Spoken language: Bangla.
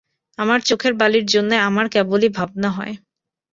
আমার চোখের বালির জন্যে আমার কেবলই ভাবনা হয়।